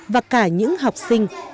và cả những học sinh